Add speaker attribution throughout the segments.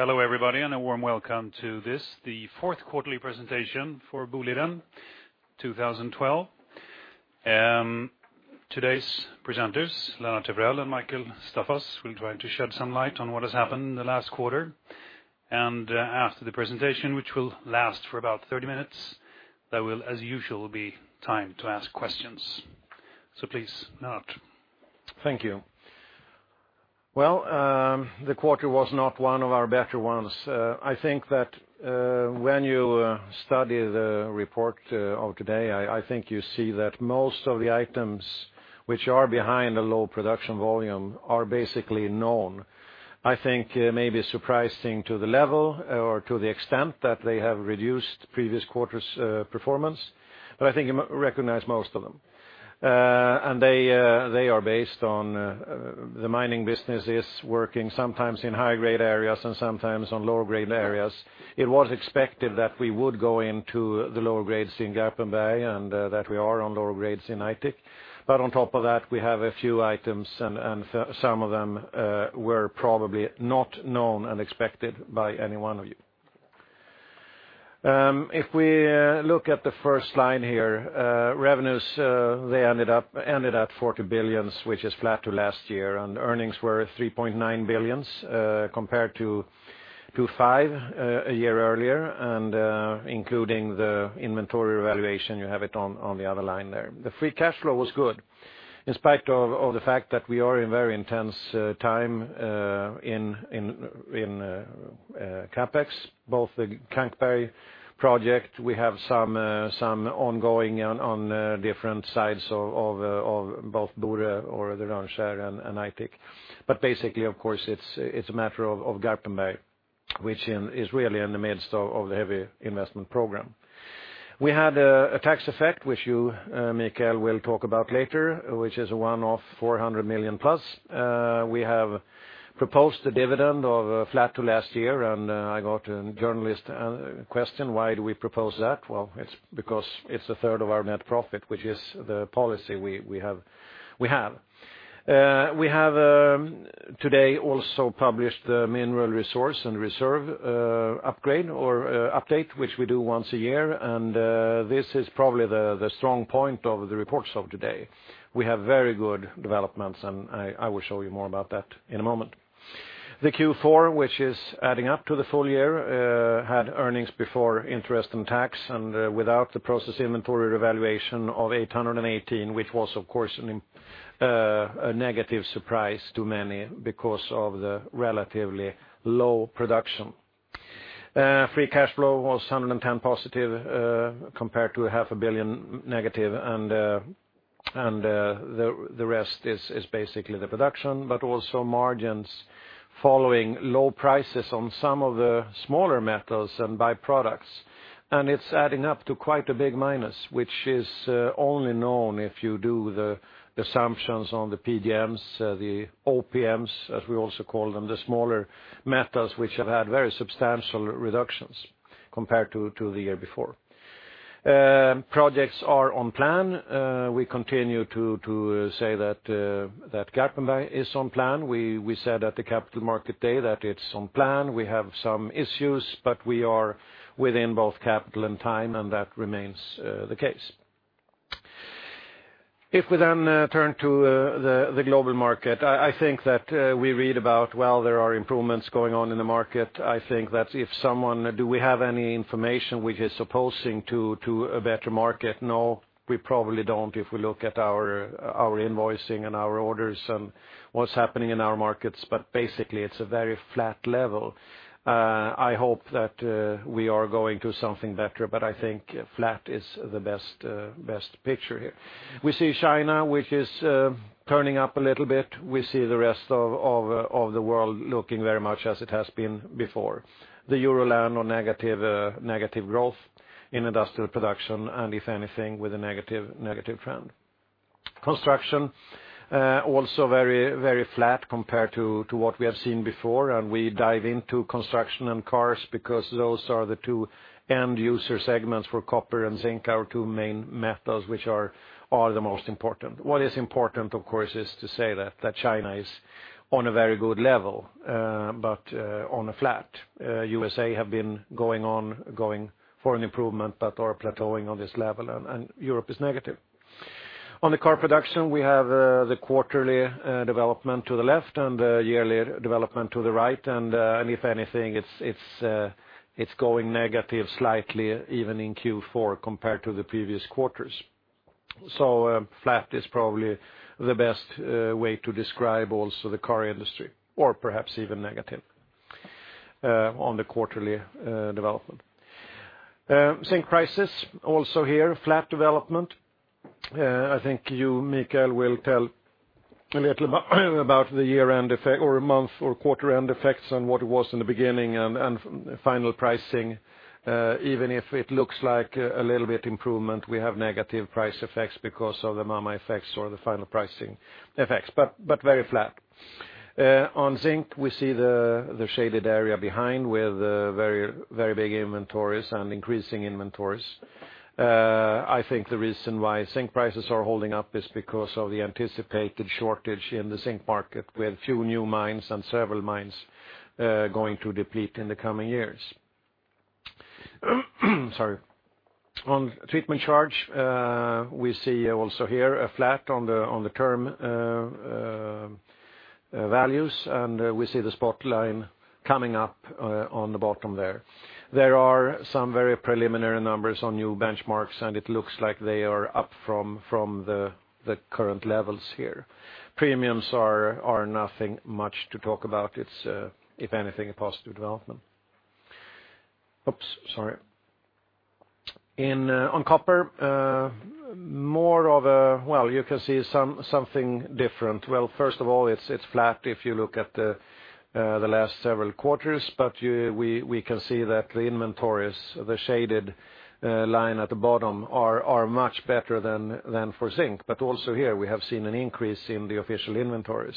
Speaker 1: Hello everybody, a warm welcome to this, the fourth quarterly presentation for Boliden 2012. Today's presenters, Lennart Evrell and Mikael Staffas, will try to shed some light on what has happened in the last quarter. After the presentation, which will last for about 30 minutes, there will, as usual, be time to ask questions. Please, Lennart.
Speaker 2: Thank you. Well, the quarter was not one of our better ones. I think that when you study the report of today, I think you see that most of the items which are behind the low production volume are basically known. I think maybe surprising to the level or to the extent that they have reduced the previous quarter's performance, but I think you recognize most of them. They are based on the mining businesses working sometimes in high-grade areas and sometimes on lower-grade areas. It was expected that we would go into the lower grades in Garpenberg and that we are on lower grades in Aitik. On top of that, we have a few items, and some of them were probably not known and expected by any one of you. If we look at the first line here, revenues, they ended at 40 billion, which is flat to last year, and earnings were 3.9 billion, compared to 5 a year earlier, and including the inventory revaluation, you have it on the other line there. The free cash flow was good in spite of the fact that we are in very intense time in CapEx, both the Kankberg project. We have some ongoing on different sides of both Boliden or the Långkärr and Aitik. Basically, of course, it's a matter of Garpenberg, which is really in the midst of the heavy investment program. We had a tax effect, which you, Mikael, will talk about later, which is one of 400 million plus. We have proposed a dividend of flat to last year, and I got a journalist question, why do we propose that? Well, it's because it's a third of our net profit, which is the policy we have. We have today also published the mineral resource and reserve upgrade or update, which we do once a year. This is probably the strong point of the reports of today. We have very good developments, and I will show you more about that in a moment. The Q4, which is adding up to the full year had earnings before interest and tax, and without the process inventory revaluation of 818, which was, of course, a negative surprise to many because of the relatively low production. Free cash flow was 110 positive compared to half a billion negative, and the rest is basically the production, but also margins following low prices on some of the smaller metals and byproducts. It's adding up to quite a big minus, which is only known if you do the assumptions on the PDMs, the OPMs, as we also call them, the smaller metals, which have had very substantial reductions compared to the year before. Projects are on plan. We continue to say that Garpenberg is on plan. We said at the Capital Market Day that it's on plan. We have some issues, but we are within both capital and time, and that remains the case. We turn to the global market, I think that we read about, well, there are improvements going on in the market. I think that do we have any information which is supposing to a better market? No, we probably don't if we look at our invoicing and our orders and what's happening in our markets. Basically, it's a very flat level. I hope that we are going to something better. I think flat is the best picture here. We see China, which is turning up a little bit. We see the rest of the world looking very much as it has been before. The Euro land on negative growth in industrial production, and if anything, with a negative trend. Construction also very flat compared to what we have seen before, and we dive into construction and cars because those are the two end user segments for copper and zinc, our two main metals, which are the most important. What is important, of course, is to say that China is on a very good level, on a flat. U.S.A. have been going for an improvement but are plateauing on this level, and Europe is negative. On the car production, we have the quarterly development to the left and the yearly development to the right, and if anything, it's going negative slightly even in Q4 compared to the previous quarters. Flat is probably the best way to describe also the car industry, or perhaps even negative on the quarterly development. Zinc prices also here, flat development. I think you, Mikael, will tell a little about the year-end effect or month or quarter-end effects on what it was in the beginning and final pricing even if it looks like a little bit improvement. We have negative price effects because of the MAM effects or the final pricing effects. Very flat. On zinc, we see the shaded area behind with very big inventories and increasing inventories. I think the reason why zinc prices are holding up is because of the anticipated shortage in the zinc market with few new mines and several mines going to deplete in the coming years. Sorry. On treatment charge, we see also here a flat on the term values, and we see the spot line coming up on the bottom there. There are some very preliminary numbers on new benchmarks, and it looks like they are up from the current levels here. Premiums are nothing much to talk about. It's, if anything, a positive development. Oops, sorry. On copper, you can see something different. Well, first of all, it's flat if you look at the last several quarters. We can see that the inventories, the shaded line at the bottom, are much better than for zinc. Also here, we have seen an increase in the official inventories.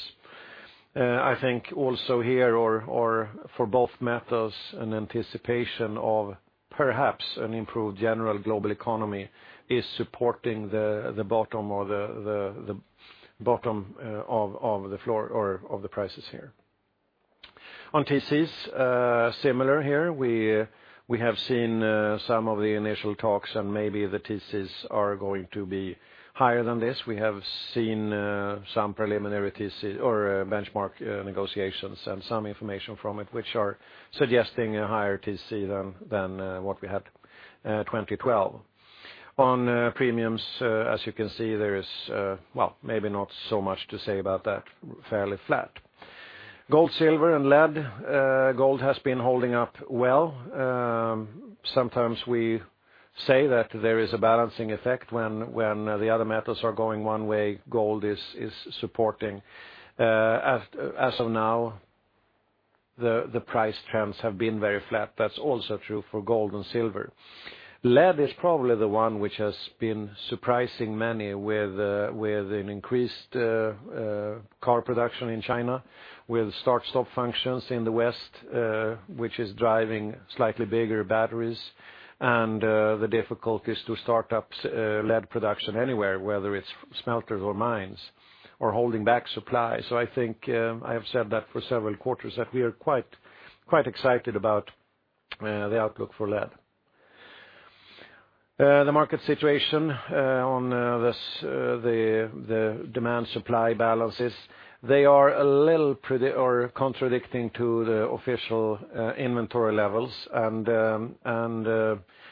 Speaker 2: I think also here or for both metals, an anticipation of perhaps an improved general global economy is supporting the bottom of the floor or of the prices here. On TCs, similar here. We have seen some of the initial talks. Maybe the TCs are going to be higher than this. We have seen some preliminary benchmark negotiations and some information from it, which are suggesting a higher TC than what we had 2012. On premiums, as you can see, there is maybe not so much to say about that. Fairly flat. Gold, silver, and lead. Gold has been holding up well. Sometimes we say that there is a balancing effect when the other metals are going one way, gold is supporting. As of now, the price trends have been very flat. That's also true for gold and silver. Lead is probably the one which has been surprising many with an increased car production in China, with start-stop functions in the West, which is driving slightly bigger batteries, and the difficulties to start up lead production anywhere, whether it's smelters or mines or holding back supply. I think I have said that for several quarters that we are quite excited about the outlook for lead. The market situation on the demand-supply balances, they are a little contradicting to the official inventory levels.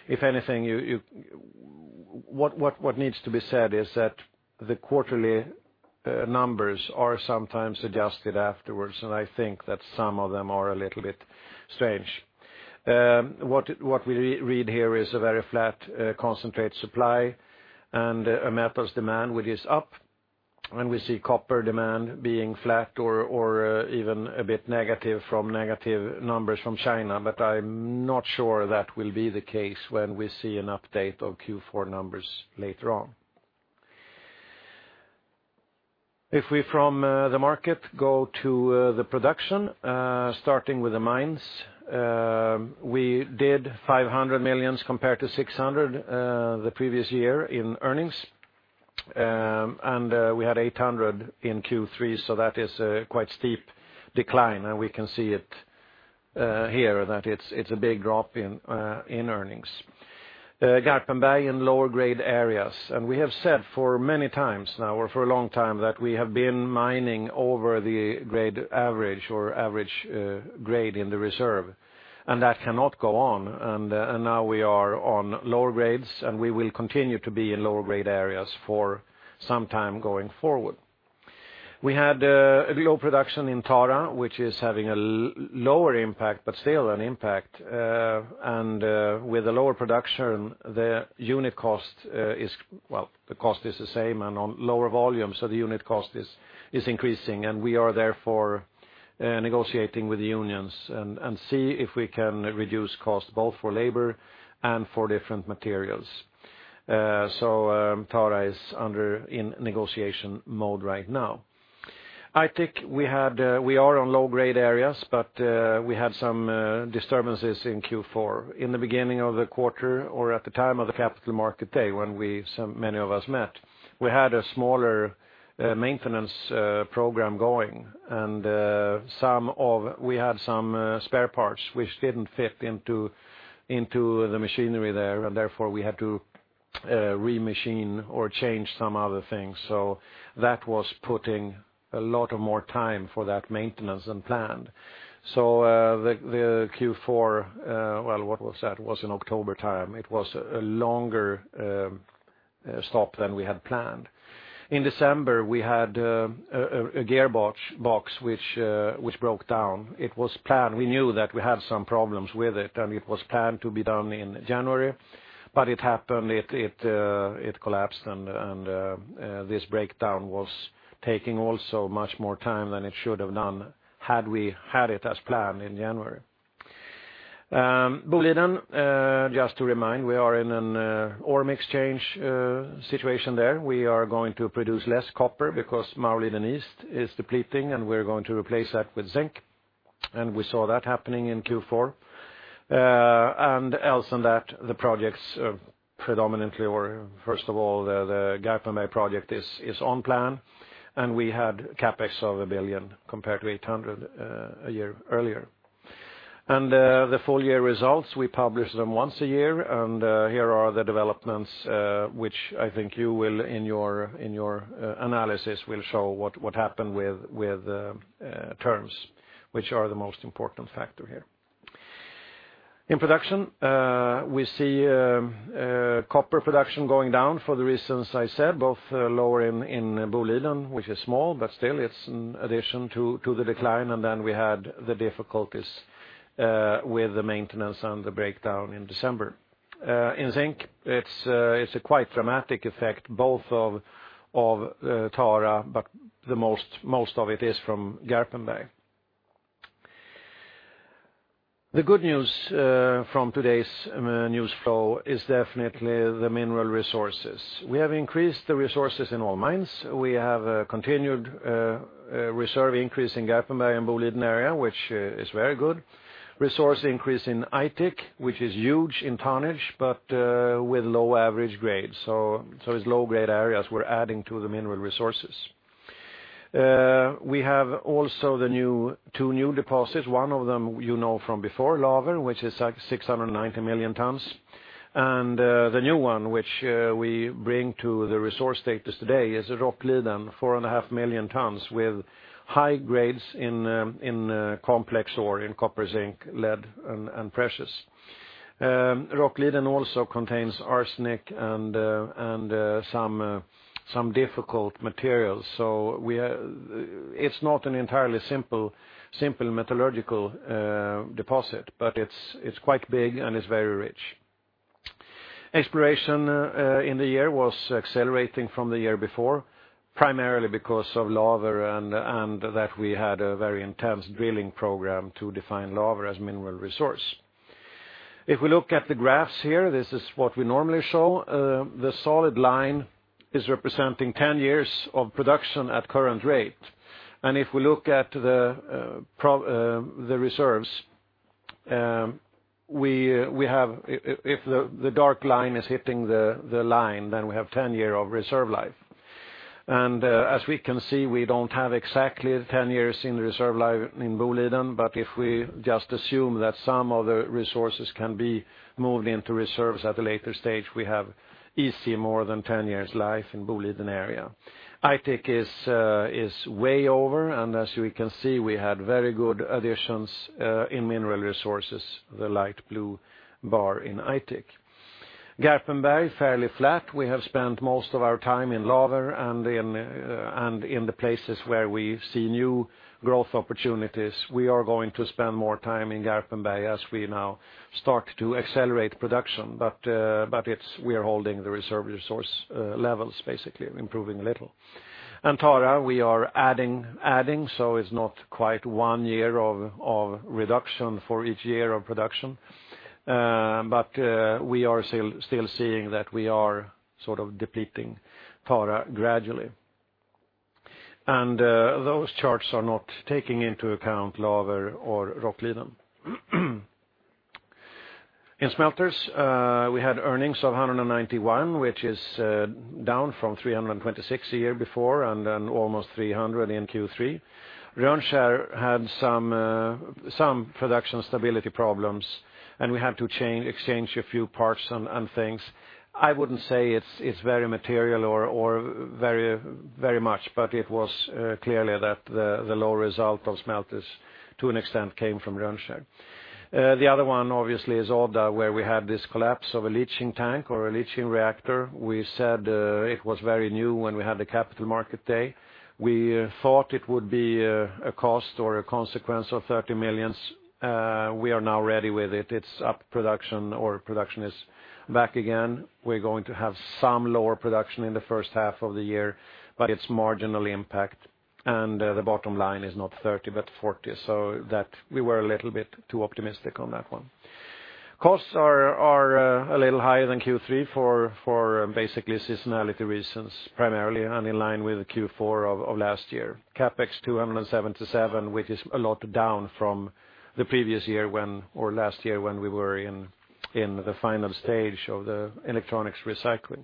Speaker 2: If anything, what needs to be said is that the quarterly numbers are sometimes adjusted afterwards. I think that some of them are a little bit strange. What we read here is a very flat concentrate supply and a metals demand, which is up. We see copper demand being flat or even a bit negative from negative numbers from China. I'm not sure that will be the case when we see an update of Q4 numbers later on. If we from the market go to the production, starting with the mines, we did 500 million compared to 600 million the previous year in earnings. We had 800 million in Q3. That is a quite steep decline. We can see it here that it's a big drop in earnings. Garpenberg in lower grade areas. We have said for many times now or for a long time that we have been mining over the grade average or average grade in the reserve, and that cannot go on. Now we are on lower grades, and we will continue to be in lower grade areas for some time going forward. We had a low production in Tara, which is having a lower impact, but still an impact. With the lower production, the unit cost is, the cost is the same and on lower volume. The unit cost is increasing, and we are therefore negotiating with the unions and see if we can reduce cost both for labor and for different materials. Tara is in negotiation mode right now. Aitik, we are on low-grade areas. We had some disturbances in Q4. In the beginning of the quarter or at the time of the capital market day when many of us met, we had a smaller maintenance program going. We had some spare parts which didn't fit into the machinery there, and therefore we had to re-machine or change some other things. That was putting a lot of more time for that maintenance than planned. The Q4, what was that? Was in October time. It was a longer stop than we had planned. In December, we had a gearbox which broke down. It was planned. We knew that we had some problems with it, and it was planned to be done in January, but it happened, it collapsed, and this breakdown was taking also much more time than it should have done had we had it as planned in January. Boliden, just to remind, we are in an ore exchange situation there. We are going to produce less copper because Maurliden East is depleting, and we're going to replace that with zinc, and we saw that happening in Q4. Else than that, the projects Predominantly, or first of all, the Garpenberg project is on plan, and we had CapEx of 1 billion compared to 800 million a year earlier. The full year results, we publish them once a year, and here are the developments, which I think you will, in your analysis, will show what happened with terms, which are the most important factor here. In production, we see copper production going down for the reasons I said, both lower in Boliden, which is small, but still it's an addition to the decline, and then we had the difficulties with the maintenance and the breakdown in December. In zinc, it's a quite dramatic effect, both of Tara, but the most of it is from Garpenberg. The good news from today's news flow is definitely the mineral resources. We have increased the resources in all mines. We have continued reserve increase in Garpenberg and Boliden area, which is very good. Resource increase in Aitik, which is huge in tonnage, but with low average grade. It's low-grade areas we're adding to the mineral resources. We have also the two new deposits. One of them you know from before, Laver, which is 690 million tons. The new one, which we bring to the resource status today, is Rockliden, 4.5 million tons with high grades in complex ore, in copper, zinc, lead, and precious. Rockliden also contains arsenic and some difficult materials. It's not an entirely simple metallurgical deposit, but it's quite big and it's very rich. Exploration in the year was accelerating from the year before, primarily because of Laver and that we had a very intense drilling program to define Laver as mineral resource. If we look at the graphs here, this is what we normally show. The solid line is representing 10 years of production at current rate. If we look at the reserves, if the dark line is hitting the line, then we have 10 year of reserve life. As we can see, we don't have exactly 10 years in the reserve life in Boliden, but if we just assume that some of the resources can be moved into reserves at a later stage, we have easy more than 10 years life in Boliden area. Aitik is way over, and as you can see, we had very good additions in mineral resources, the light blue bar in Aitik. Garpenberg, fairly flat. We have spent most of our time in Laver and in the places where we see new growth opportunities. We are going to spend more time in Garpenberg as we now start to accelerate production. We are holding the reserve resource levels, basically improving little. Tara, we are adding, so it's not quite one year of reduction for each year of production. But we are still seeing that we are sort of depleting Tara gradually. Those charts are not taking into account Laver or Rockliden. In smelters, we had earnings of 191, which is down from 326 a year before and almost 300 in Q3. Rönnskär had some production stability problems, and we had to exchange a few parts and things. I wouldn't say it's very material or very much, but it was clearly that the low result of smelters to an extent came from Rönnskär. The other one obviously is Odda, where we had this collapse of a leaching tank or a leaching reactor. We said it was very new when we had the capital market day. We thought it would be a cost or a consequence of 30 million. Production is back again. We're going to have some lower production in the first half of the year, but it's marginal impact. The bottom line is not 30, but 40. So we were a little bit too optimistic on that one. Costs are a little higher than Q3 for basically seasonality reasons, primarily and in line with Q4 of last year. CapEx 277, which is a lot down from the previous year when we were in the final stage of the electronics recycling.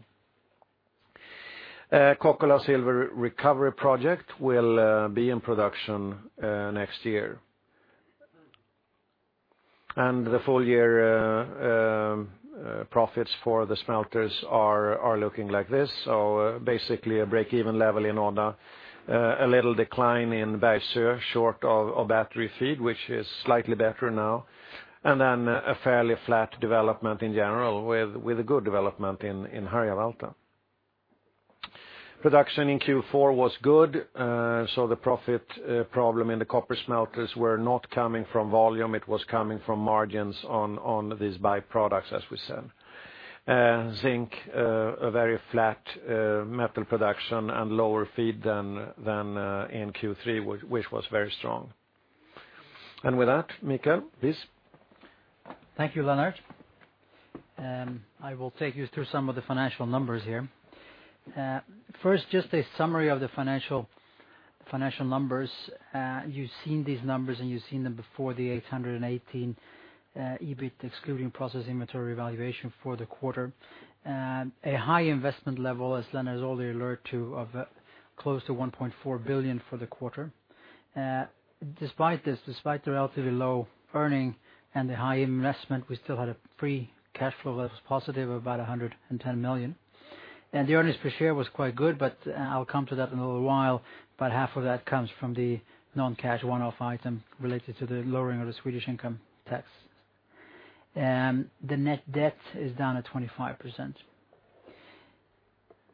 Speaker 2: Kokkola silver recovery project will be in production next year. The full year profits for the smelters are looking like this. So basically a break-even level in Oban. A little decline in Bergsöe short of battery feed, which is slightly better now. A fairly flat development in general with a good development in Harjavalta. Production in Q4 was good. So the profit problem in the copper smelters were not coming from volume. It was coming from margins on these byproducts, as we said. Zinc, a very flat metal production and lower feed than in Q3, which was very strong. Mikael, please.
Speaker 1: Thank you, Lennart. I will take you through some of the financial numbers here. Just a summary of the financial numbers. You've seen these numbers, and you've seen them before, the 818 EBIT excluding processing material evaluation for the quarter. A high investment level, as Lennart has already alerted to, of close to 1.4 billion for the quarter. Despite this, despite the relatively low earning and the high investment, we still had a free cash flow that was positive, about 110 million. The earnings per share was quite good, but I'll come to that in a little while. About half of that comes from the non-cash one-off item related to the lowering of the Swedish income tax. The net debt is down at 25%.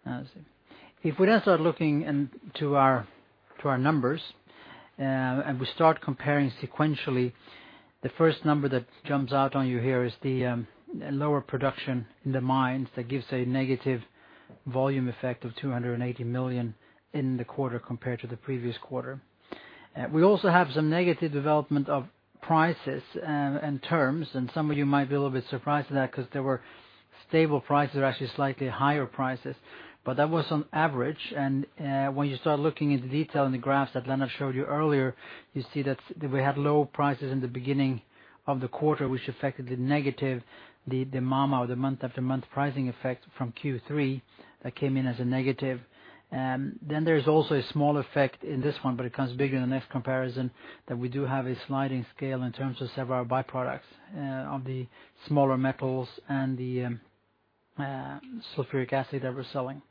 Speaker 1: Let's see. The first number that jumps out on you here is the lower production in the mines. That gives a negative volume effect of 280 million in the quarter compared to the previous quarter. We also have some negative development of prices and terms. Some of you might be a little bit surprised at that because there were stable prices, or actually slightly higher prices, but that was on average. When you start looking into detail in the graphs that Lennart showed you earlier, you see that we had low prices in the beginning of the quarter, which affected the negative, the MAM or the month-after-month pricing effect from Q3 that came in as a negative. There's also a small effect in this one, it comes bigger in the next comparison, that we do have a sliding scale in terms of several byproducts of the smaller metals and the sulfuric acid that we're selling.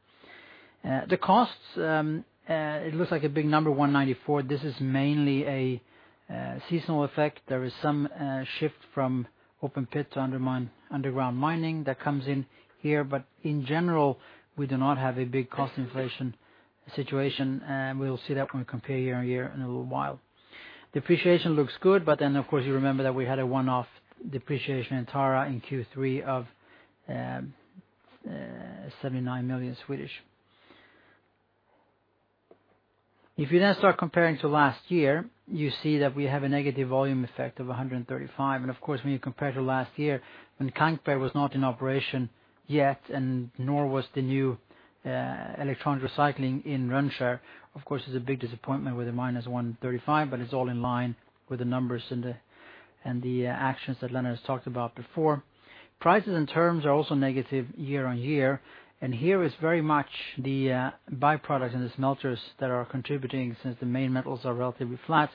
Speaker 1: The costs, it looks like a big number, 194. This is mainly a seasonal effect. There is some shift from open pit to underground mining that comes in here, in general, we do not have a big cost inflation situation. We will see that when we compare year-on-year in a little while. Depreciation looks good, you remember that we had a one-off depreciation in Tara in Q3 of 79 million. Comparing to last year, you see that we have a negative volume effect of 135. Of course, when you compare to last year when Kankberg was not in operation yet, nor was the new electronic recycling in Rönnskär, it's a big disappointment with a minus 135, it's all in line with the numbers and the actions that Lennart has talked about before. Prices and terms are also negative year-on-year, here is very much the byproducts and the smelters that are contributing since the main metals are relatively flat.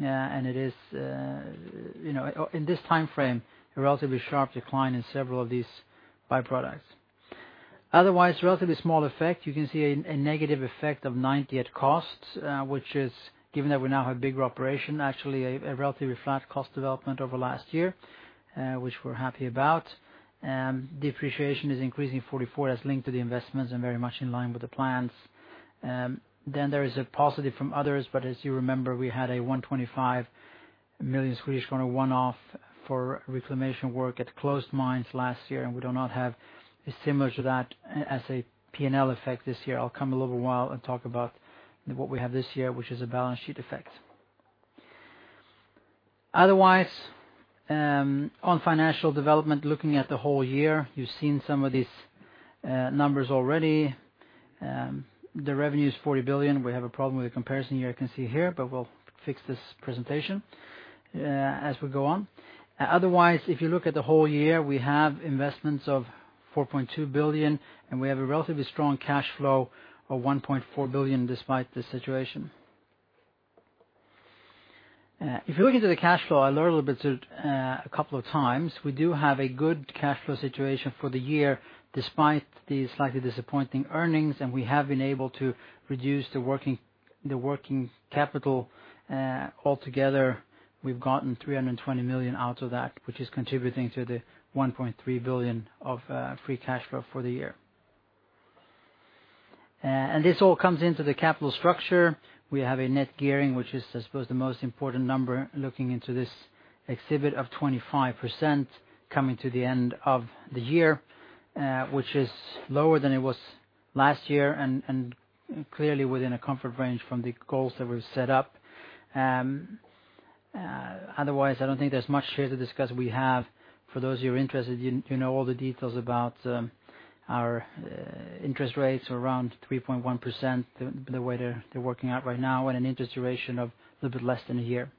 Speaker 1: It is, in this timeframe, a relatively sharp decline in several of these byproducts. Otherwise, relatively small effect. You can see a negative effect of 90 at costs, which is, given that we now have bigger operation, actually a relatively flat cost development over last year, which we're happy about. Depreciation is increasing 44. That's linked to the investments and very much in line with the plans. There is a positive from others, as you remember, we had a 125 million Swedish kronor one-off for reclamation work at closed mines last year, we do not have as similar to that as a P&L effect this year. I'll come in a little while and talk about what we have this year, which is a balance sheet effect. Otherwise, on financial development, looking at the whole year, you've seen some of these numbers already. The revenue is 40 billion. We have a problem with the comparison you can see here, we'll fix this presentation as we go on. Otherwise, if you look at the whole year, we have investments of 4.2 billion, we have a relatively strong cash flow of 1.4 billion despite the situation. If you look into the cash flow, I learned a little bit a couple of times, we do have a good cash flow situation for the year despite the slightly disappointing earnings, and we have been able to reduce the working capital altogether. We've gotten 320 million out of that, which is contributing to the 1.3 billion of free cash flow for the year. This all comes into the capital structure. We have a net gearing, which is, I suppose, the most important number looking into this exhibit of 25% coming to the end of the year, which is lower than it was last year and clearly within a comfort range from the goals that we've set up. Otherwise, I don't think there's much here to discuss. We have, for those who are interested, you know all the details about our interest rates are around 3.1% the way they're working out right now, and an interest duration of a little bit less than a year.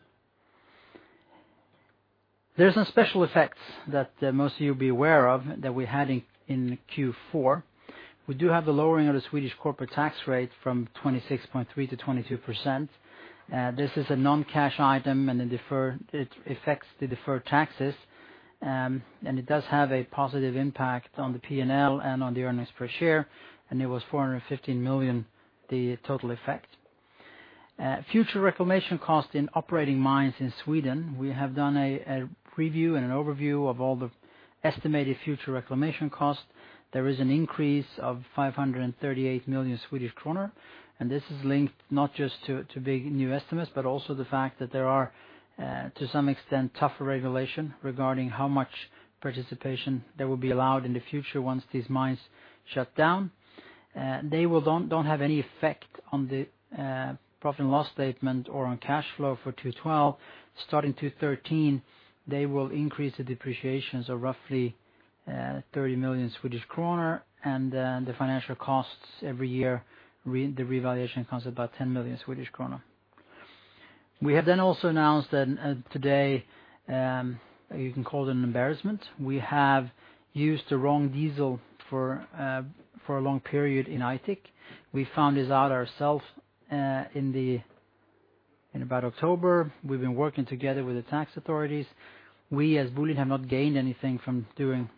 Speaker 1: There's some special effects that most of you will be aware of that we had in Q4. We do have the lowering of the Swedish corporate tax rate from 26.3% to 22%. This is a non-cash item, and it affects the deferred taxes. It does have a positive impact on the P&L and on the earnings per share, and it was 415 million, the total effect. Future reclamation cost in operating mines in Sweden. We have done a preview and an overview of all the estimated future reclamation cost. There is an increase of 538 million Swedish kronor, and this is linked not just to big new estimates, but also the fact that there are, to some extent, tougher regulation regarding how much participation there will be allowed in the future once these mines shut down. They don't have any effect on the profit and loss statement or on cash flow for 2012. Starting 2013, they will increase the depreciation of roughly 30 million Swedish kronor, and then the financial costs every year, the revaluation cost is about 10 million Swedish krona. We have also announced today, you can call it an embarrassment. We have used the wrong diesel for a long period in Aitik. We found this out ourselves in about October. We've been working together with the tax authorities. We, as Boliden, have not gained anything from doing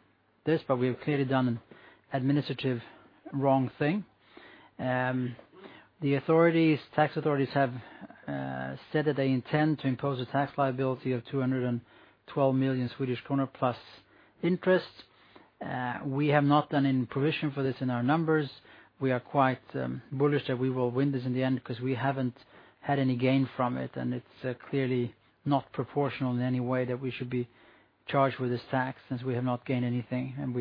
Speaker 1: this, but we have clearly done an administrative wrong thing. The tax authorities have said that they intend to impose a tax liability of 212 million Swedish kronor plus interest. We have not done any provision for this in our numbers. We are quite bullish that we will win this in the end because we haven't had any gain from it, and it's clearly not proportional in any way that we should be charged with this tax since we have not gained anything.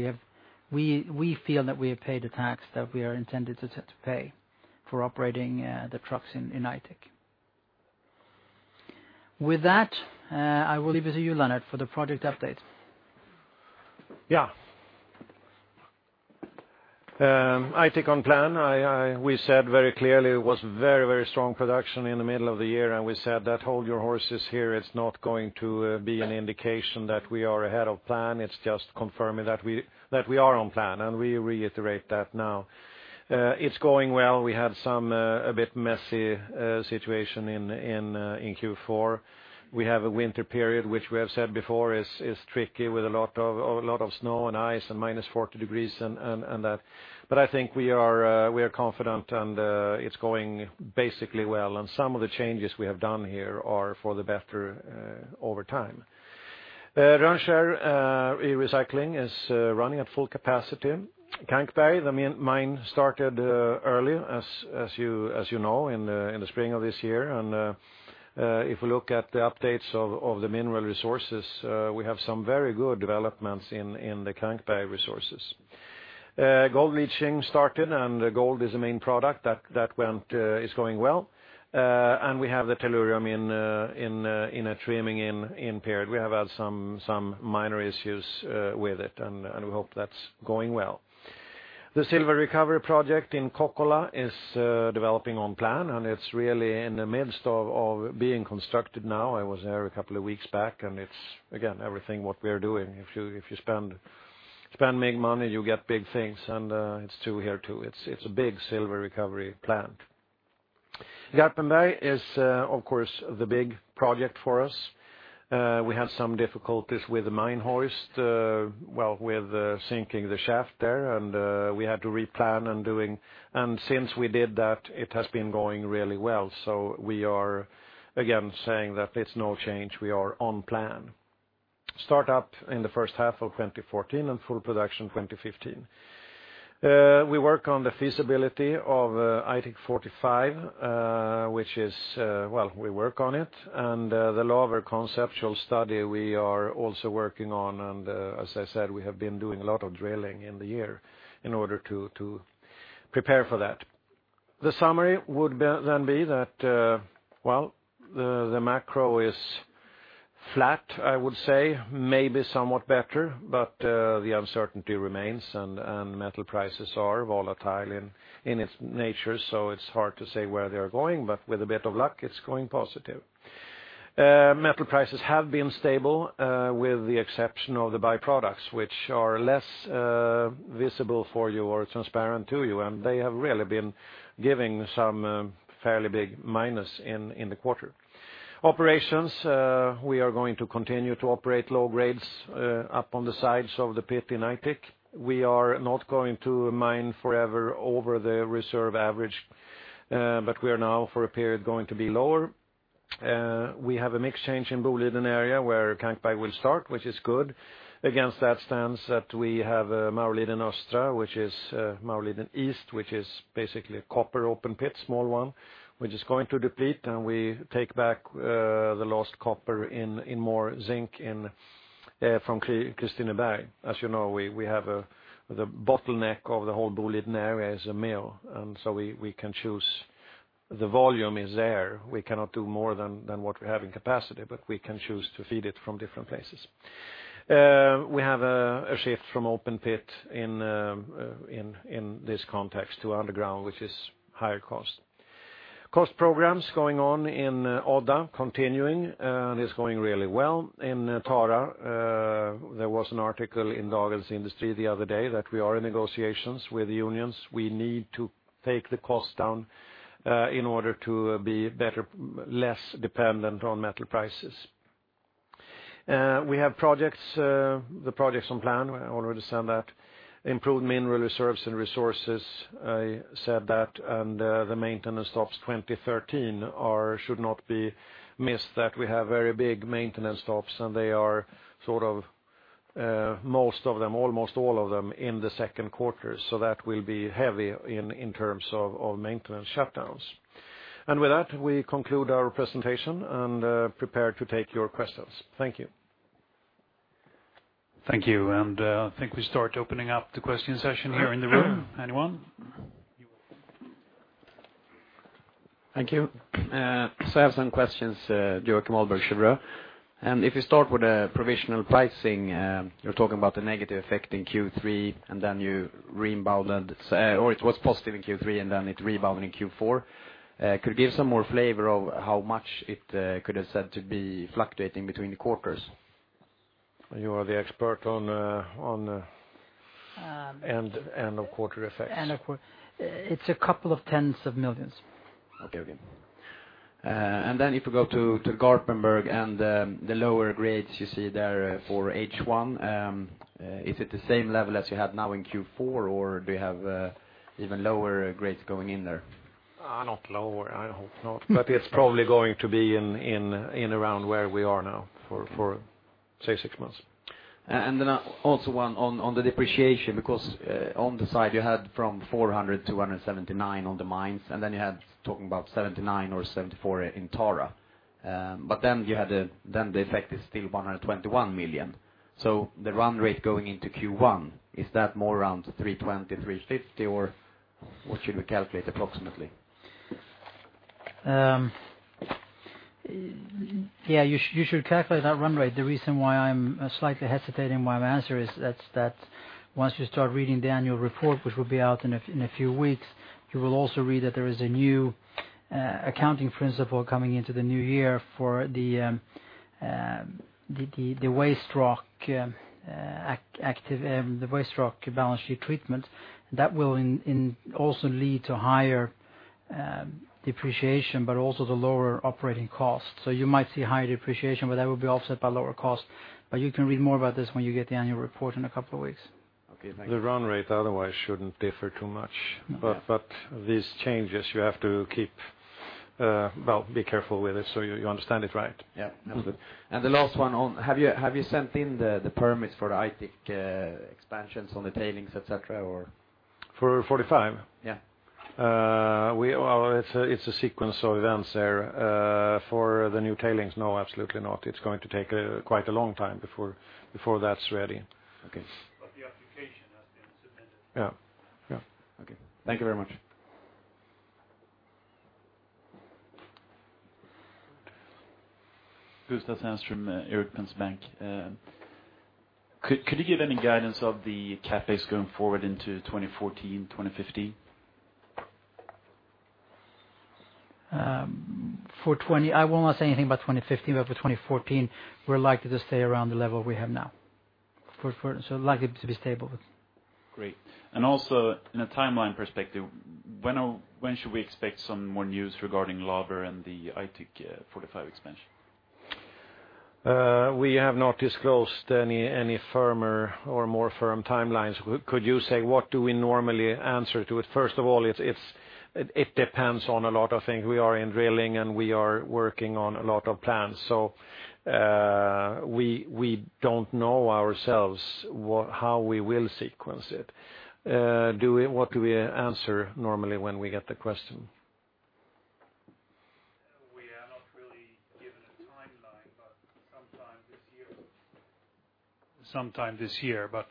Speaker 1: We feel that we have paid the tax that we are intended to pay for operating the trucks in Aitik. With that, I will leave it to you, Lennart, for the project update.
Speaker 2: Yeah. Aitik on plan. We said very clearly it was very strong production in the middle of the year, and we said that hold your horses here, it is not going to be an indication that we are ahead of plan. It is just confirming that we are on plan, and we reiterate that now. It is going well. We had a bit messy situation in Q4. We have a winter period, which we have said before is tricky with a lot of snow and ice and minus 40 degrees and that. I think we are confident, and it is going basically well. Some of the changes we have done here are for the better over time. Boliden Rönnskär is running at full capacity. Kankberg, the mine, started early, as you know, in the spring of this year. If we look at the updates of the mineral resources, we have some very good developments in the Kankberg resources. Gold leaching started, and gold is the main product. That is going well. We have the tellurium in a trimming in period. We have had some minor issues with it, and we hope that is going well. The silver recovery project in Kokkola is developing on plan, and it is really in the midst of being constructed now. I was there a couple of weeks back, and it is, again, everything what we are doing. If you spend big money, you get big things, and it is true here, too. It is a big silver recovery plant. Garpenberg is, of course, the big project for us. We had some difficulties with the mine hoist, well, with sinking the shaft there, and we had to replan and do. Since we did that, it has been going really well. We are, again, saying that it is no change. We are on plan. Start up in the first half of 2014, and full production 2015. We work on the feasibility of Aitik 45, which is, well, we work on it. The lower conceptual study we are also working on, and as I said, we have been doing a lot of drilling in the year in order to prepare for that. The summary would then be that, well, the macro is flat, I would say. Maybe somewhat better, but the uncertainty remains, and metal prices are volatile in its nature, so it is hard to say where they are going, but with a bit of luck, it is going positive. Metal prices have been stable with the exception of the byproducts, which are less visible for you or transparent to you, and they have really been giving some fairly big minus in the quarter. Operations, we are going to continue to operate low grades up on the sides of the pit in Aitik. We are not going to mine forever over the reserve average, but we are now for a period going to be lower. We have a mix change in Boliden area where Kankberg will start, which is good. Against that stands that we have Maurliden Östra, which is Maurliden East, which is basically a copper open pit, small one, which is going to deplete, and we take back the lost copper in more zinc from Kristineberg. As you know, we have the bottleneck of the whole Boliden area as a mill, and so we can choose. The volume is there. We cannot do more than what we have in capacity, but we can choose to feed it from different places. We have a shift from open pit in this context to underground, which is higher cost. Cost programs going on in Odda continuing, and it is going really well. In Tara, there was an article in Dagens Industri the other day that we are in negotiations with the unions. We need to take the cost down in order to be less dependent on metal prices. We have projects. The project's on plan. I already said that. Improved mineral reserves and resources, I said that, and the maintenance stops 2013 should not be missed, that we have very big maintenance stops, and they are sort of most of them, almost all of them, in the second quarter. That will be heavy in terms of maintenance shutdowns. With that, we conclude our presentation and prepare to take your questions. Thank you.
Speaker 1: Thank you, and I think we start opening up the question session here in the room. Anyone?
Speaker 3: Thank you. I have some questions, Joakim Ahlberg, Cheuvreux. If you start with the provisional pricing, you are talking about the negative effect in Q3, and then you rebounded. Or it was positive in Q3, and then it rebounded in Q4. Could you give some more flavor of how much it could have said to be fluctuating between the quarters?
Speaker 2: You are the expert on end of quarter effects.
Speaker 1: End of quarter. It's SEK a couple of tens of millions.
Speaker 3: Okay. If you go to Garpenberg and the lower grades you see there for H1, is it the same level as you have now in Q4, or do you have even lower grades going in there?
Speaker 2: Not lower, I hope not. It's probably going to be in around where we are now for six months.
Speaker 3: Also one on the depreciation, because on the side you had from 400 to 179 on the mines. You had talking about 79 or 74 in Tara. The effect is still 121 million. The run rate going into Q1, is that more around 320, 350, or what should we calculate approximately?
Speaker 1: You should calculate that run rate. The reason why I'm slightly hesitating my answer is that once you start reading the annual report, which will be out in a few weeks, you will also read that there is a new accounting principle coming into the new year for the waste rock balance sheet treatment. That will also lead to higher depreciation, but also the lower operating cost. You might see higher depreciation, but that will be offset by lower cost. You can read more about this when you get the annual report in a couple of weeks.
Speaker 3: Thank you.
Speaker 2: The run rate otherwise shouldn't differ too much. These changes, you have to be careful with it so you understand it right.
Speaker 3: Yeah. Understood. The last one on, have you sent in the permits for Aitik expansions on the tailings, et cetera?
Speaker 2: For 45?
Speaker 3: Yeah.
Speaker 2: It's a sequence of events there. For the new tailings, no, absolutely not. It's going to take quite a long time before that's ready.
Speaker 3: Okay.
Speaker 1: The application has been submitted.
Speaker 2: Yeah.
Speaker 4: Okay. Thank you very much. Gustav Sandström, Erik Penser Bank. Could you give any guidance of the CapEx going forward into 2014, 2015?
Speaker 1: I will not say anything about 2015, for 2014, we're likely to stay around the level we have now. Likely to be stable.
Speaker 3: Great. Also in a timeline perspective, when should we expect some more news regarding Laver and the Aitik 45 expansion?
Speaker 2: We have not disclosed any firmer or more firm timelines. Could you say what do we normally answer to it? First of all, it depends on a lot of things. We are in drilling, we are working on a lot of plans. We don't know ourselves how we will sequence it. What do we answer normally when we get the question?
Speaker 1: We have not really given a timeline, but sometime this year.
Speaker 2: Sometime this year, but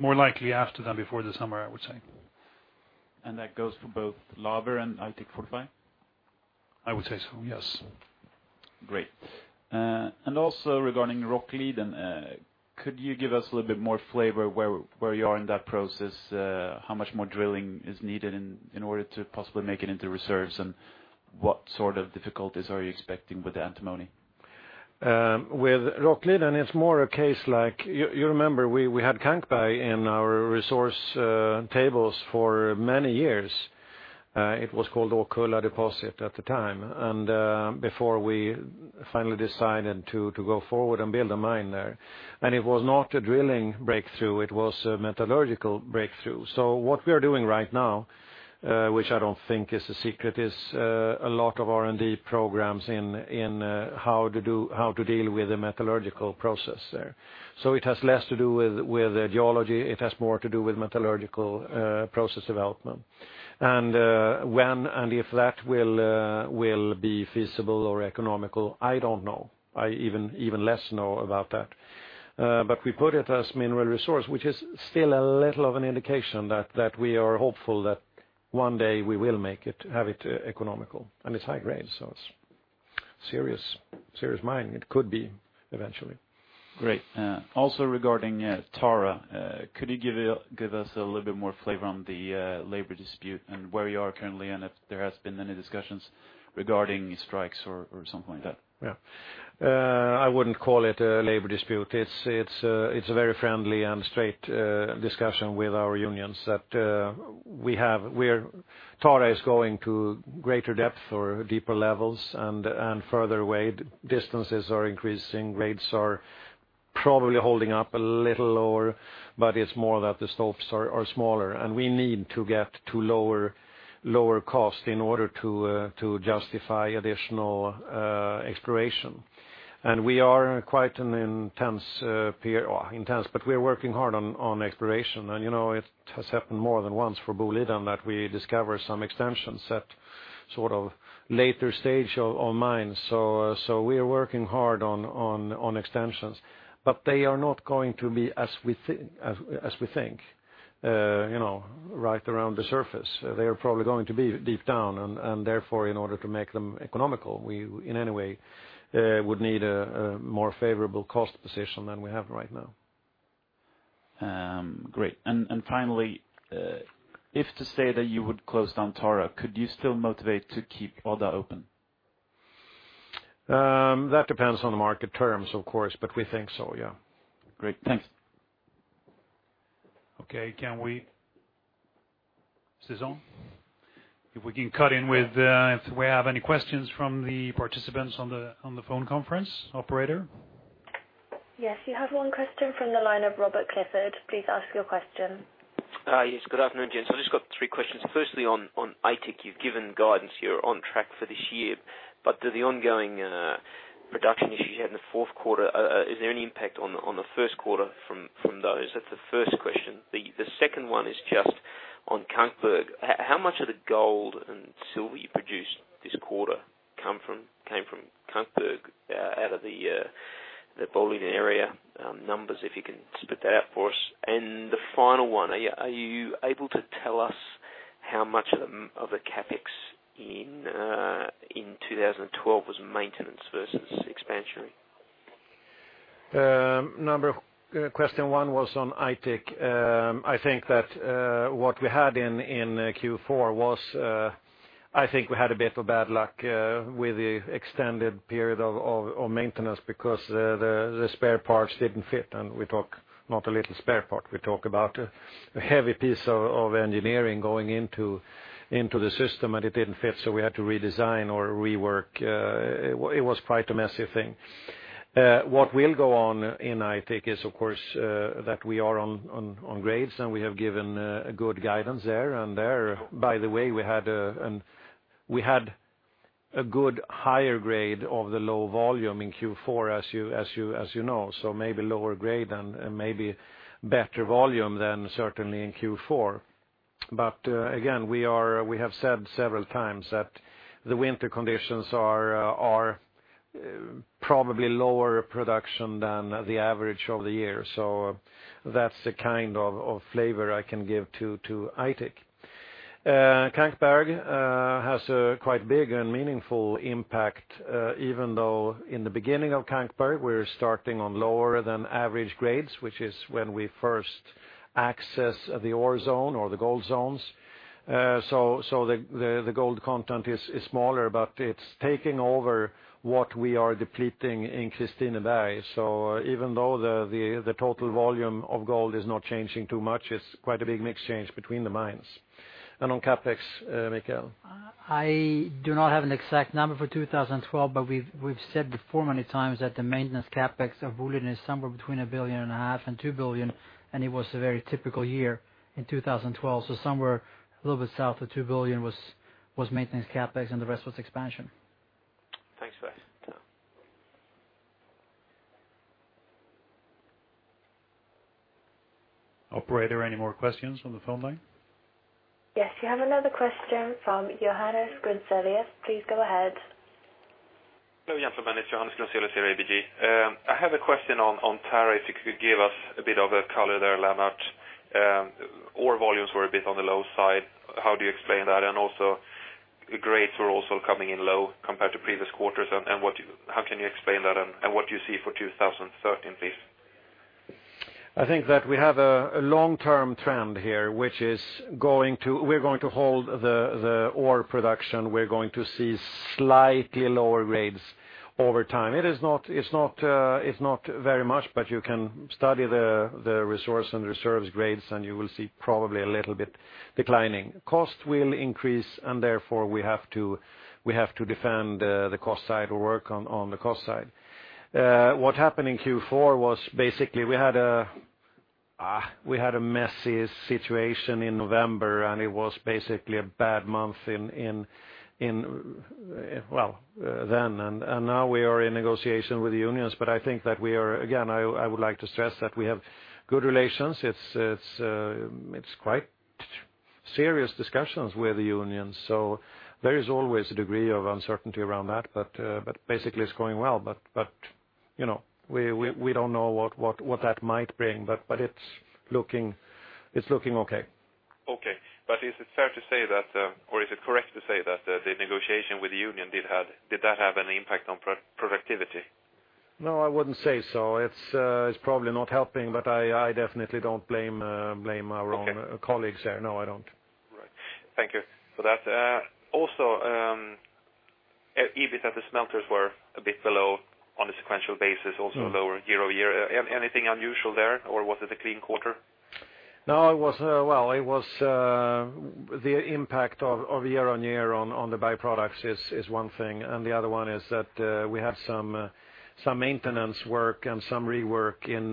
Speaker 2: more likely after than before the summer, I would say.
Speaker 3: That goes for both Laver and Aitik 45?
Speaker 2: I would say so, yes.
Speaker 3: Great. Also regarding Rockliden, could you give us a little bit more flavor where you are in that process? How much more drilling is needed in order to possibly make it into reserves, and what sort of difficulties are you expecting with the antimony?
Speaker 2: With Rockliden, it's more a case like, you remember we had Kankberg in our resource tables for many years. It was called Åkulla Deposit at the time, and before we finally decided to go forward and build a mine there. It was not a drilling breakthrough, it was a metallurgical breakthrough. What we are doing right now, which I don't think is a secret, is a lot of R&D programs in how to deal with the metallurgical process there. It has less to do with geology, it has more to do with metallurgical process development. When and if that will be feasible or economical, I don't know. I even less know about that. We put it as mineral resource, which is still a little of an indication that we are hopeful that one day we will make it, have it economical. It's high grade, so it's serious mine. It could be eventually.
Speaker 3: Great. Also regarding Tara, could you give us a little bit more flavor on the labor dispute and where you are currently, and if there has been any discussions regarding strikes or something like that?
Speaker 2: I wouldn't call it a labor dispute. It's a very friendly and straight discussion with our unions that we have. Tara is going to greater depth or deeper levels and further away. Distances are increasing, rates are probably holding up a little lower, but it's more that the stops are smaller. We need to get to lower cost in order to justify additional exploration. We are quite in an intense period. Intense, but we're working hard on exploration. It has happened more than once for Boliden that we discover some extensions at sort of later stage of mines. We are working hard on extensions, but they are not going to be as we think right around the surface. They are probably going to be deep down, and therefore, in order to make them economical, we in any way would need a more favorable cost position than we have right now.
Speaker 4: Great. Finally, if to say that you would close down Tara, could you still motivate to keep Odda open?
Speaker 2: That depends on the market terms, of course, but we think so, yeah.
Speaker 4: Great. Thanks.
Speaker 2: Okay. Sison? If we can cut in with, if we have any questions from the participants on the phone conference. Operator?
Speaker 5: Yes, you have one question from the line of Robert Clifford. Please ask your question.
Speaker 6: Yes, good afternoon, gents. I've just got three questions. Firstly, on Aitik, you've given guidance, you're on track for this year, do the ongoing production issues you had in the fourth quarter, is there any impact on the first quarter from those? That's the first question. The second one is just on Kankberg. How much of the gold and silver you produced this quarter came from Kankberg out of the Boliden area numbers, if you can spit that out for us. The final one, are you able to tell us how much of the CapEx in 2012 was maintenance versus expansion?
Speaker 2: Question one was on Aitik. What we had in Q4 was we had a bit of bad luck with the extended period of maintenance because the spare parts didn't fit. We talk not a little spare part. We talk about a heavy piece of engineering going into the system. It didn't fit, we had to redesign or rework. It was quite a messy thing. What will go on in Aitik is, of course, that we are on grades. We have given a good guidance there and there. By the way, we had a good higher grade of the low volume in Q4 as you know. Maybe lower grade and maybe better volume than certainly in Q4. Again, we have said several times that the winter conditions are probably lower production than the average of the year. That's the kind of flavor I can give to Aitik. Kankberg has a quite big and meaningful impact, even though in the beginning of Kankberg, we're starting on lower than average grades, which is when we first access the ore zone or the gold zones. The gold content is smaller, it's taking over what we are depleting in Kristineberg. Even though the total volume of gold is not changing too much, it's quite a big mix change between the mines. On CapEx, Mikael?
Speaker 1: I do not have an exact number for 2012. We've said before many times that the maintenance CapEx of Boliden is somewhere between 1.5 billion and 2 billion. It was a very typical year in 2012. Somewhere a little bit south of 2 billion was maintenance CapEx. The rest was expansion.
Speaker 6: Thanks, guys.
Speaker 2: Operator, any more questions from the phone line?
Speaker 5: Yes, you have another question from Johannes Grunselius. Please go ahead.
Speaker 7: Hello, gentlemen, it's Johannes Grunselius here, ABG. I have a question on Tara, if you could give us a bit of a color there, Lennart. Ore volumes were a bit on the low side. How do you explain that? Also, grades were also coming in low compared to previous quarters. How can you explain that? What do you see for 2013, please?
Speaker 2: I think that we have a long-term trend here. We're going to hold the ore production. We're going to see slightly lower grades over time. It's not very much, but you can study the resource and reserves grades. You will see probably a little bit declining. Cost will increase. Therefore we have to defend the cost side or work on the cost side. What happened in Q4 was basically we had a messy situation in November. It was basically a bad month then. Now we are in negotiation with the unions. I think that we are, again, I would like to stress that we have good relations. It's quite serious discussions with the unions. There is always a degree of uncertainty around that. Basically it's going well. We don't know what that might bring, but it's looking okay.
Speaker 7: Is it fair to say that, or is it correct to say that the negotiation with the union, did that have any impact on productivity?
Speaker 2: No, I wouldn't say so. It's probably not helping, but I definitely don't blame our own colleagues there. No, I don't.
Speaker 7: Right. Thank you for that. EBIT at the smelters were a bit below on a sequential basis, also lower year-over-year. Anything unusual there, or was it a clean quarter?
Speaker 2: No. Well, the impact of year-on-year on the byproducts is one thing, and the other one is that we have some maintenance work and some rework in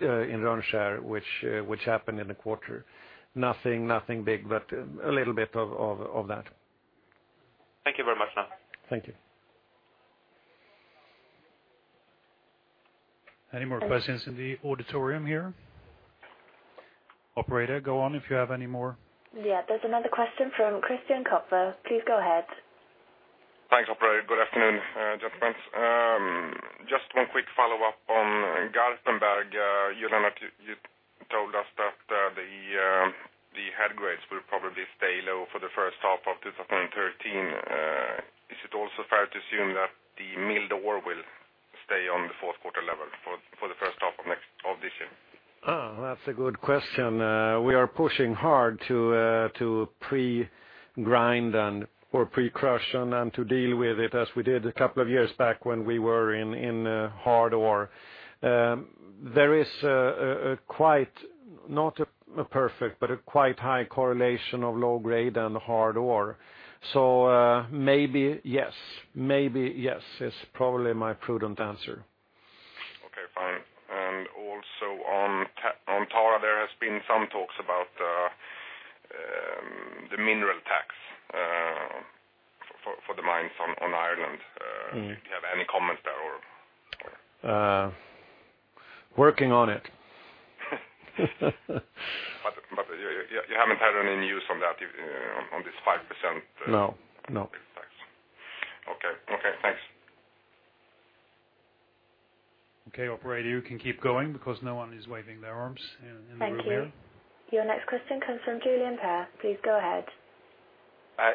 Speaker 2: Rönnskär which happened in the quarter. Nothing big, but a little bit of that.
Speaker 7: Thank you very much.
Speaker 2: Thank you. Any more questions in the auditorium here? Operator, go on if you have any more.
Speaker 5: Yeah. There's another question from Christian Kopfer. Please go ahead.
Speaker 8: Thanks, operator. Good afternoon, gentlemen. Just one quick follow-up on Garpenberg. You The head grades will probably stay low for the first half of 2013. Is it also fair to assume that the milled ore will stay on the fourth quarter level for the first half of this year?
Speaker 2: That's a good question. We are pushing hard to pre-grind and or pre-crush and to deal with it as we did a couple of years back when we were in hard ore. There is not a perfect, but a quite high correlation of low grade and hard ore. Maybe yes, is probably my prudent answer.
Speaker 8: Okay, fine. Also on Tara, there has been some talks about the mineral tax for the mines on Ireland. Do you have any comments there?
Speaker 2: Working on it.
Speaker 8: You haven't had any news on that, on this 5%?
Speaker 2: No.
Speaker 8: Tax. Okay. Thanks.
Speaker 2: Okay. Operator, you can keep going because no one is waving their arms in the room here.
Speaker 5: Thank you. Your next question comes from Julian Pear. Please go ahead.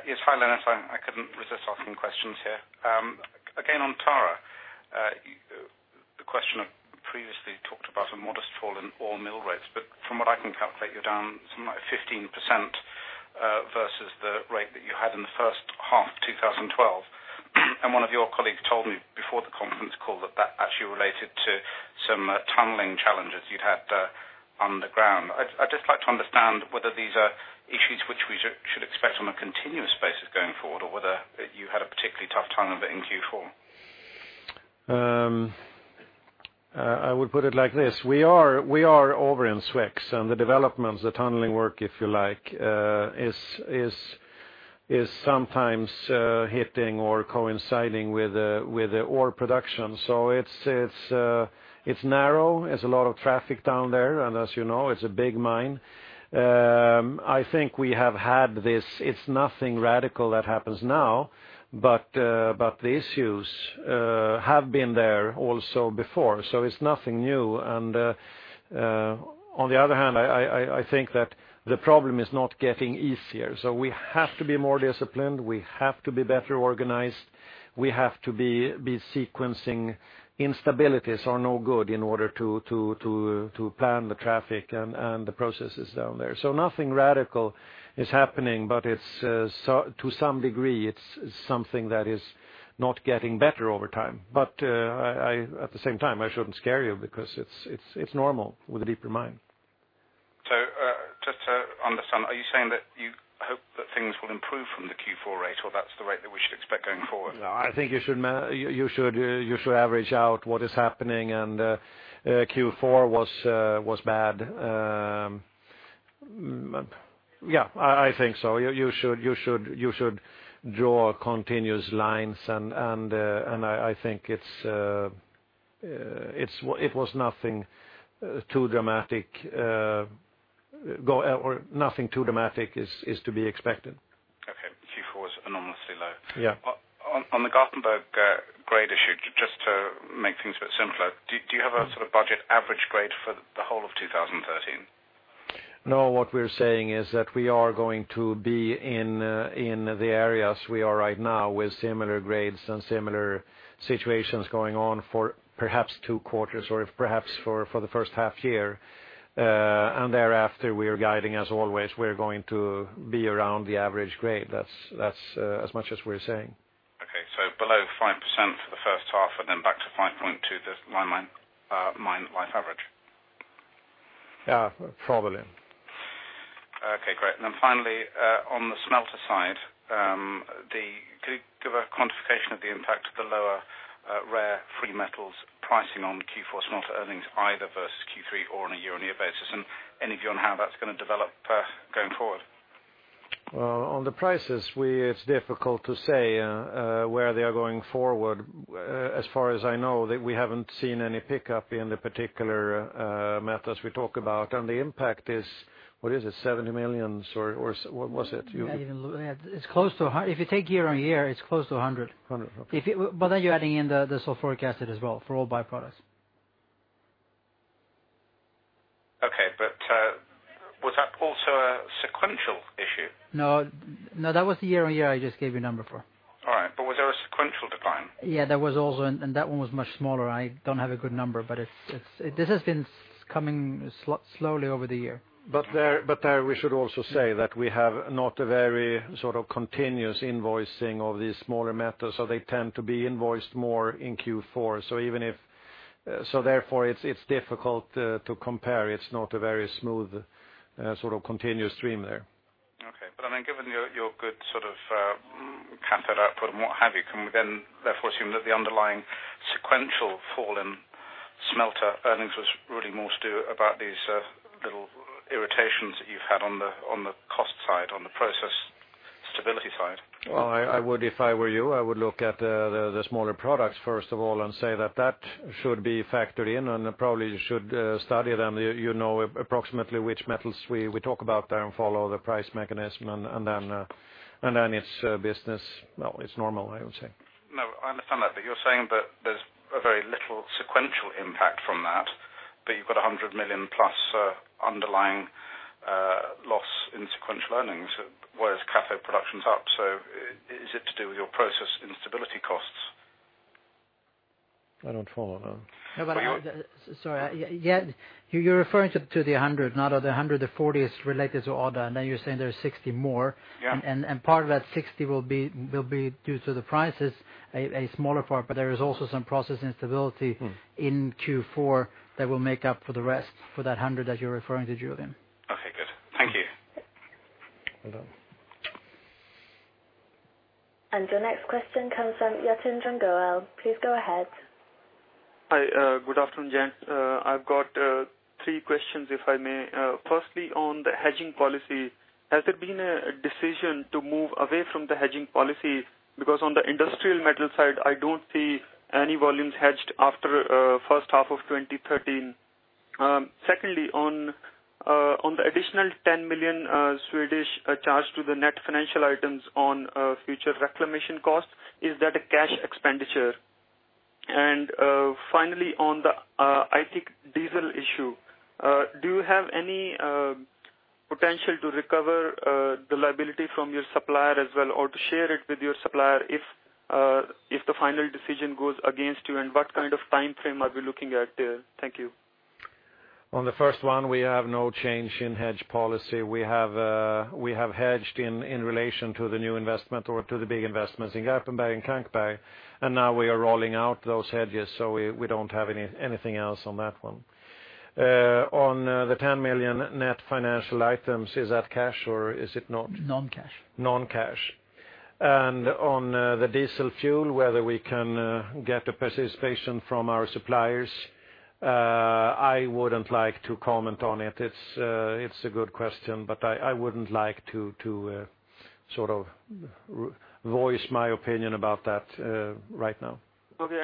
Speaker 6: Yes. Hi, Lennart. I couldn't resist asking questions here. Again on Tara, the question I previously talked about a modest fall in ore mill rates, but from what I can calculate, you're down something like 15% versus the rate that you had in the first half of 2012. One of your colleagues told me before the conference call that that actually related to some tunneling challenges you'd had underground. I'd just like to understand whether these are issues which we should expect on a continuous basis going forward, or whether you had a particularly tough time of it in Q4.
Speaker 2: I would put it like this. We are over in Sweden, and the developments, the tunneling work, if you like, is sometimes hitting or coinciding with the ore production. It's narrow, it's a lot of traffic down there, and as you know, it's a big mine. I think we have had this. It's nothing radical that happens now, but the issues have been there also before, so it's nothing new, and on the other hand, I think that the problem is not getting easier. We have to be more disciplined, we have to be better organized, we have to be sequencing instabilities are no good in order to plan the traffic and the processes down there. Nothing radical is happening, but to some degree, it's something that is not getting better over time. At the same time, I shouldn't scare you because it's normal with a deeper mine.
Speaker 6: Just to understand, are you saying that you hope that things will improve from the Q4 rate, or that's the rate that we should expect going forward?
Speaker 2: No, I think you should average out what is happening, and Q4 was bad. Yeah, I think so. You should draw continuous lines, and I think it was nothing too dramatic is to be expected.
Speaker 6: Okay. Q4 is enormously low.
Speaker 2: Yeah.
Speaker 6: On the Garpenberg grade issue, just to make things a bit simpler, do you have a sort of budget average grade for the whole of 2013?
Speaker 2: No, what we're saying is that we are going to be in the areas we are right now with similar grades and similar situations going on for perhaps two quarters or if perhaps for the first half year. Thereafter, we are guiding as always, we're going to be around the average grade. That's as much as we're saying.
Speaker 6: Okay. Below 5% for the first half, and then back to 5.2, the mine life average.
Speaker 2: Yeah, probably.
Speaker 6: Okay, great. Finally, on the smelter side, could you give a quantification of the impact of the lower rare free metals pricing on Q4 smelter earnings either versus Q3 or on a year-on-year basis, and any view on how that's going to develop going forward?
Speaker 2: On the prices, it's difficult to say where they are going forward. As far as I know, we haven't seen any pickup in the particular metals we talk about. The impact is, what is it? 70 million or what was it?
Speaker 1: If you take year-on-year, it's close to 100.
Speaker 2: 100, okay.
Speaker 1: You're adding in the sulfuric acid as well for all byproducts.
Speaker 6: Okay. Was that also a sequential issue?
Speaker 1: No, that was the year-on-year I just gave you a number for.
Speaker 6: All right. Was there a sequential decline?
Speaker 1: Yeah, there was also, that one was much smaller. I don't have a good number, this has been coming slowly over the year.
Speaker 2: We should also say that we have not a very sort of continuous invoicing of these smaller metals, they tend to be invoiced more in Q4. Therefore it's difficult to compare. It's not a very smooth sort of continuous stream there.
Speaker 6: Okay. Given your good sort of cathode output and what have you, can we then therefore assume that the underlying sequential fall in smelter earnings was really more to do about these little irritations that you've had on the cost side, on the process stability side?
Speaker 2: If I were you, I would look at the smaller products first of all and say that that should be factored in and probably you should study them. You know approximately which metals we talk about there and follow the price mechanism, and then it's business. Well, it's normal, I would say.
Speaker 6: No, I understand that. You're saying that there's a very little sequential impact You've got 100 million plus underlying loss in sequential earnings, whereas cathode production's up. Is it to do with your process instability costs?
Speaker 2: I don't follow that.
Speaker 1: Sorry. You're referring to the 100. The 140 is related to Odda, and then you're saying there's 60 more.
Speaker 6: Yeah.
Speaker 1: Part of that 60 will be due to the prices, a smaller part, but there is also some process instability in Q4 that will make up for the rest, for that 100 that you're referring to, Julian.
Speaker 6: Okay, good. Thank you.
Speaker 2: Well done.
Speaker 5: Your next question comes from Yatin Jangarel. Please go ahead.
Speaker 6: Hi, good afternoon, gents. I've got three questions, if I may. Firstly, on the hedging policy, has there been a decision to move away from the hedging policy? Because on the industrial metal side, I don't see any volumes hedged after first half of 2013. Secondly, on the additional 10 million charge to the net financial items on future reclamation costs, is that a cash expenditure? Finally, on the Aitik diesel issue, do you have any potential to recover the liability from your supplier as well, or to share it with your supplier if the final decision goes against you? What kind of timeframe are we looking at there? Thank you.
Speaker 2: On the first one, we have no change in hedge policy. We have hedged in relation to the new investment or to the big investments in Garpenberg and Kankberg, now we are rolling out those hedges, we don't have anything else on that one. On the 10 million net financial items, is that cash or is it not?
Speaker 1: Non-cash.
Speaker 2: Non-cash. On the diesel fuel, whether we can get a participation from our suppliers, I wouldn't like to comment on it. It's a good question, I wouldn't like to voice my opinion about that right now.
Speaker 6: Okay,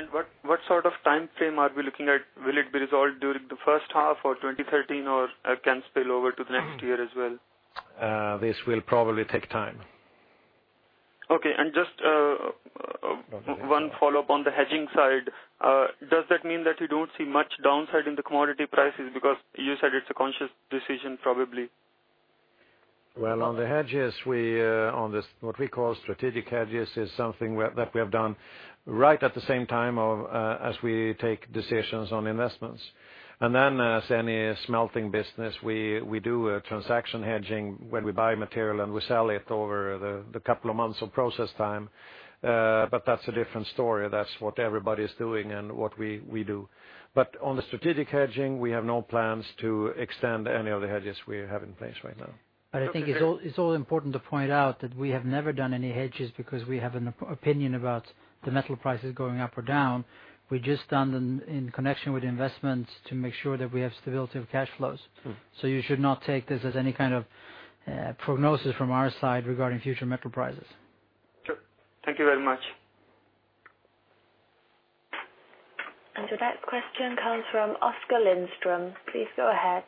Speaker 6: what sort of timeframe are we looking at? Will it be resolved during the first half or 2013, or can spill over to the next year as well?
Speaker 2: This will probably take time.
Speaker 6: Okay, just one follow-up on the hedging side. Does that mean that you don't see much downside in the commodity prices? You said it's a conscious decision probably.
Speaker 2: Well, on the hedges, on what we call strategic hedges, is something that we have done right at the same time as we take decisions on investments. As any smelting business, we do a transaction hedging when we buy material, and we sell it over the couple of months of process time. That's a different story. That's what everybody's doing and what we do. On the strategic hedging, we have no plans to extend any of the hedges we have in place right now.
Speaker 1: I think it's also important to point out that we have never done any hedges because we have an opinion about the metal prices going up or down. We just done them in connection with investments to make sure that we have stability of cash flows. You should not take this as any kind of prognosis from our side regarding future metal prices.
Speaker 6: Sure. Thank you very much.
Speaker 5: That question comes from Oskar Lindström. Please go ahead.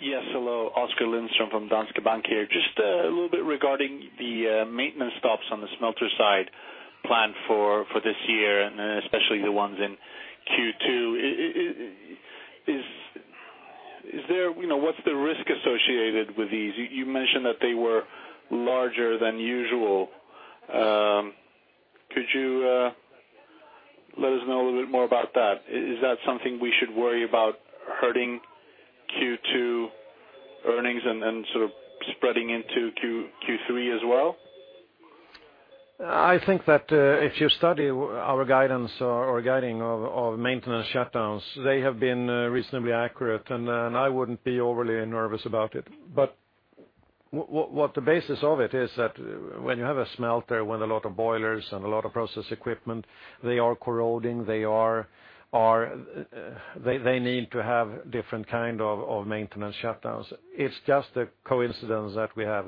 Speaker 9: Yes, hello, Oskar Lindström from Danske Bank here. Just a little bit regarding the maintenance stops on the smelter side planned for this year, and especially the ones in Q2. What's the risk associated with these? You mentioned that they were larger than usual. Could you let us know a little bit more about that? Is that something we should worry about hurting Q2 earnings and sort of spreading into Q3 as well?
Speaker 2: I think that if you study our guidance or guiding of maintenance shutdowns, they have been reasonably accurate, and I wouldn't be overly nervous about it. What the basis of it is that when you have a smelter with a lot of boilers and a lot of process equipment, they are corroding. They need to have different kind of maintenance shutdowns. It's just a coincidence that we have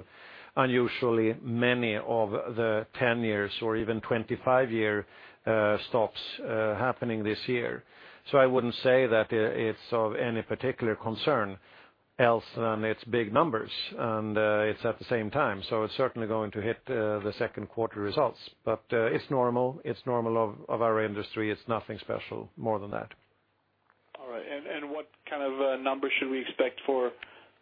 Speaker 2: unusually many of the 10 years or even 25-year stops happening this year. I wouldn't say that it's of any particular concern else than it's big numbers, and it's at the same time. It's certainly going to hit the second quarter results. It's normal of our industry. It's nothing special more than that.
Speaker 9: All right. What kind of numbers should we expect for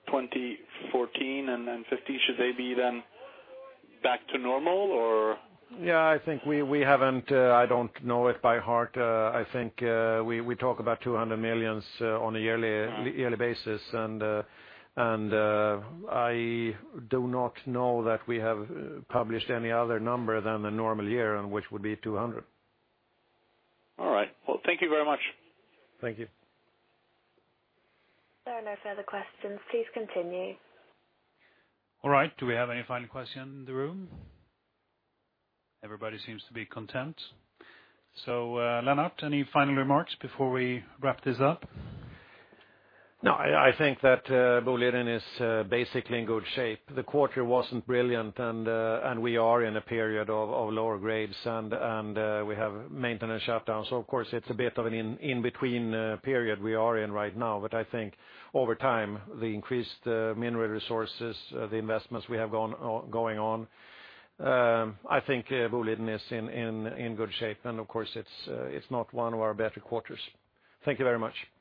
Speaker 9: 2014 and then 2015? Should they be then back to normal or?
Speaker 2: Yeah, I think I don't know it by heart. I think we talk about 200 million on a yearly basis. I do not know that we have published any other number than the normal year, and which would be 200.
Speaker 9: All right. Well, thank you very much.
Speaker 2: Thank you.
Speaker 5: There are no further questions. Please continue.
Speaker 1: All right. Do we have any final question in the room? Everybody seems to be content. Lennart, any final remarks before we wrap this up?
Speaker 2: No, I think that Boliden is basically in good shape. The quarter wasn't brilliant, and we are in a period of lower grades, and we have maintenance shutdowns. Of course, it's a bit of an in-between period we are in right now. I think over time, the increased mineral resources, the investments we have going on, I think Boliden is in good shape, and of course, it's not one of our better quarters. Thank you very much.